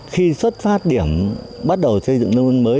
khi xuất phát điểm bắt đầu xây dựng nông thôn mới